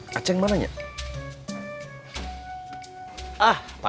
keputusan pak aset